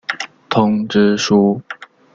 通知书。